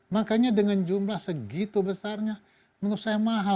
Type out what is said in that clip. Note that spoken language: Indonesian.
makanya dengan jumlah segitu besarnya menurut saya mahal